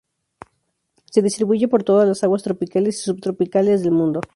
Se distribuye por todas las aguas tropicales y subtropicales del mundo.